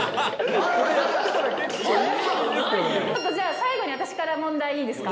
最後に私から問題いいですか？